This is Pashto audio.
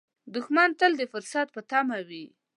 دښمن تل د فرصت په تمه وي